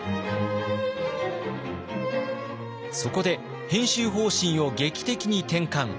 そこで編集方針を劇的に転換。